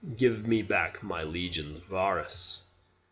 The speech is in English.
Give back my legions, Varus!"